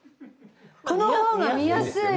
この方が見やすいわ！